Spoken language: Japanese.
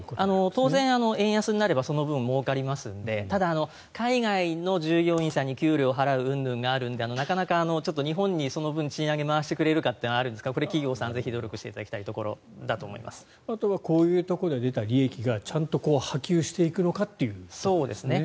当然、円安になればその分、もうかりますのでただ、海外の従業員さんに給料を払ううんぬんがあるのでなかなか日本にその分賃上げを回してくれるかというのがあるんですが企業さんぜひ努力していただきたいところだとあとはこういうところで出た利益がちゃんと波及していくのかというところですね。